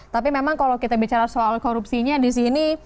tapi memang kalau kita bicara soal korupsinya di sini